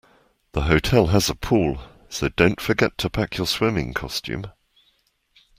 The hotel has a pool, so don't forget to pack your swimming costume